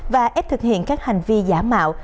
và ép thực hiện các hành vi giả mạo